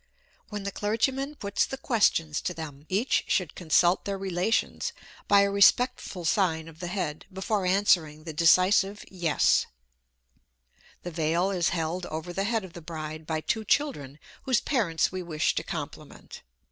When the clergyman puts the questions to them, each should consult their relations by a respectful sign of the head, before answering the decisive yes. The veil is held over the head of the bride by two children whose parents we wish to compliment.